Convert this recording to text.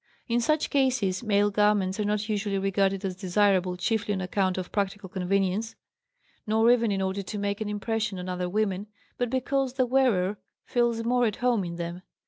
In such cases male garments are not usually regarded as desirable chiefly on account of practical convenience, nor even in order to make an impression on other women, but because the wearer feels more at home in them.